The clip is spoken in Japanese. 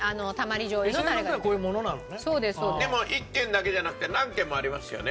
でも１軒だけじゃなくて何軒もありますよね